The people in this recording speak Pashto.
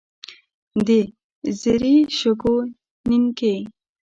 د زري شګو نینکې.